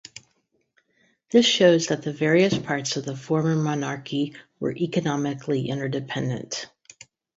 This shows that the various parts of the former monarchy were economically interdependent.